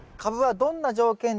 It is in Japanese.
どんな条件で？